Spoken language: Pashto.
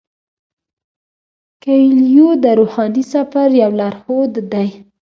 کویلیو د روحاني سفر یو لارښود دی.